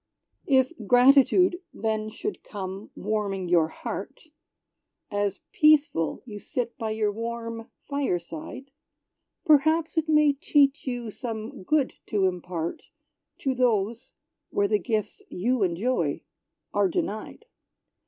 If gratitude then should come, warming your heart, As peaceful you sit by your warm fireside; Perhaps it may teach you some good to impart To those, where the gifts you enjoy are denied.